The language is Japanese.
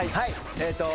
えーっと。